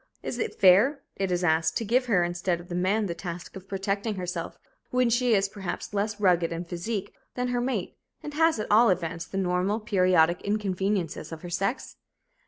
Is it fair, it is asked, to give her, instead of the man, the task of protecting herself when she is, perhaps, less rugged in physique than her mate, and has, at all events, the normal, periodic inconveniences of her sex?